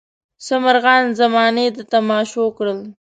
څه مرغان زمانې د تماشو کړل.